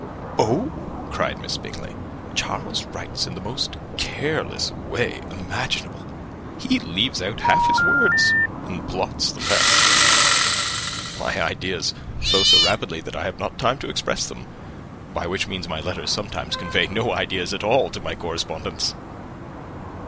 "Oh," cried Miss Bingley, "Charles writes in the most careless way imaginable. He leaves out half his words, and blots the rest." "My ideas flow so rapidly that I have not time to express them; by which means my letters sometimes convey no ideas at all to my correspondents."